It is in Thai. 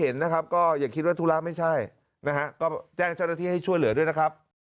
นะครับ